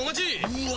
うわ！